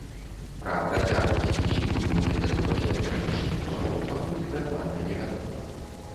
Пра працягласць і сілу імунітэту пасля перанесенай хваробы пакуль дакладна невядома.